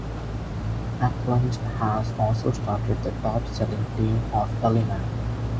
Eklund has also started the top-selling team at Elliman.